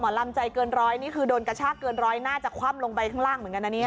ลำใจเกินร้อยนี่คือโดนกระชากเกินร้อยน่าจะคว่ำลงไปข้างล่างเหมือนกันนะเนี่ย